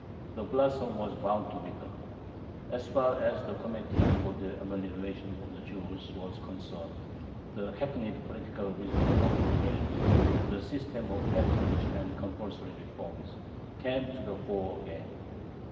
The blossom was bound to wither. As far as the Committee for the Amelioration of the Jews was concerned, the hackneyed political wisdom of the age, the system of patronage and compulsory reforms, came to the fore again.